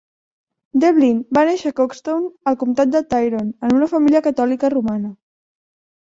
Devlin va néixer a Cookstown, al comtat de Tyrone, en una família catòlica romana.